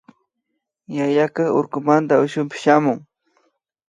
Yayaka urkumanta ushupi shamun